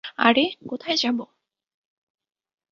আরে, কোথায় যাব?